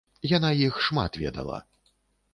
Яна іх шмат ведала.